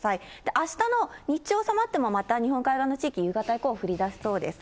あしたの日中収まっても、また日本海側の地域、夕方以降、降りだしそうです。